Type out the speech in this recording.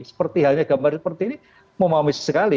seperti hal ini gambar seperti ini memahami sekali